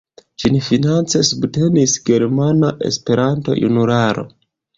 Ĝin finance subtenis Germana Esperanto-Junularo.